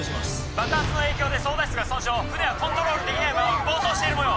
爆発の影響で操舵室が損傷船はコントロールできないまま暴走している模様